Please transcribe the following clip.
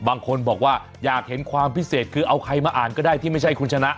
บางคนบอกว่าอยากเห็นความพิเศษคือเอาใครมาอ่านก็ได้ที่ไม่ใช่คุณชนะ